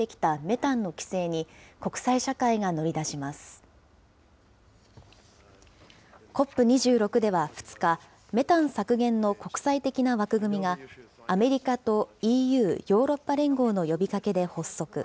ＣＯＰ２６では２日、メタン削減の国際的な枠組みが、アメリカとＥＵ・ヨーロッパ連合の呼びかけで発足。